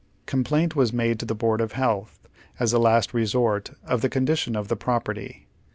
Complaint was made to the Board of Health, as a last resort, of the con dition of the property.